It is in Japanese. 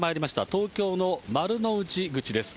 東京の丸の内口です。